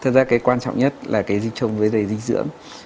thật ra cái quan trọng nhất là cái gì chống với dây dinh dưỡng